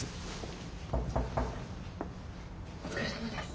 お疲れさまです。